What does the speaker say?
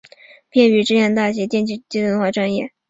毕业于浙江大学电气自动化专业。